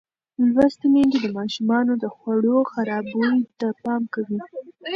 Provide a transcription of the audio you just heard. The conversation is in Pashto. لوستې میندې د ماشومانو د خوړو خراب بوی ته پام کوي.